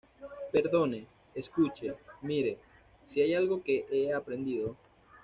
perdone, escuche, mire, si hay algo que he aprendido